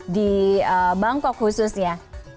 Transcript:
di bangkok khusus ya